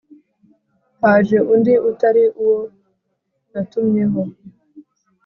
Haje undi utari uwo natumyeho